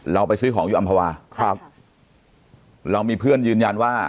ไปซื้อของอยู่อำภาวาครับเรามีเพื่อนยืนยันว่า